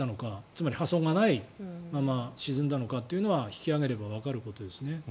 つまり破損がないまま沈んだのかというのは引き揚げればわかることですね。